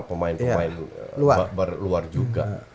pemain pemain luar juga